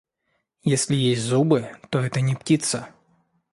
Если есть зубы, то это не птица.